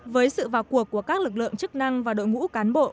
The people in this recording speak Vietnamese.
với sự vào cuộc của các lực lượng chức năng và đội ngũ cán bộ